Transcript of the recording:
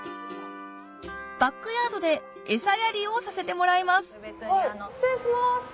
バックヤードで餌やりをさせてもらいます失礼します。